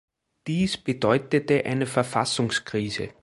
Dies bedeutete eine Verfassungskrise.